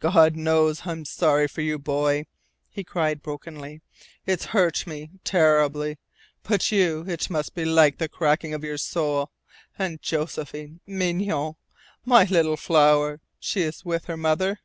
"God knows I'm sorry for you, Boy," he cried brokenly. "It's hurt me terribly. But YOU it must be like the cracking of your soul. And Josephine, Mignonne, my little flower! She is with her mother?"